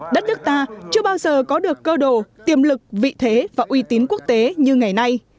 đất nước ta chưa bao giờ có được cơ đồ tiềm lực vị thế và uy tín quốc tế như ngày nay